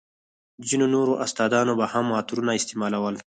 ځينو نورو استادانو به هم عطرونه استعمالول.